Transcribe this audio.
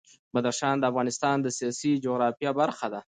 بدخشان د افغانستان د سیاسي جغرافیه برخه ده.